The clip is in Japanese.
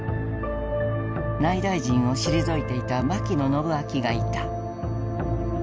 内大臣を退いていた牧野伸顕がいた。